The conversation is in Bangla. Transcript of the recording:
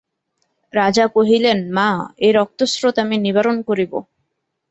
রাজা কহিলেন মা, এ রক্তস্রোত আমি নিবারণ করিব।